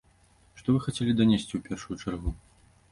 Што вы хацелі данесці ў першую чаргу?